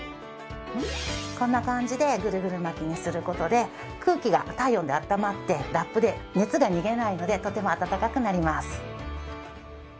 こんな感じでぐるぐる巻きにする事で空気が体温で暖まってラップで熱が逃げないのでとても温かくなります。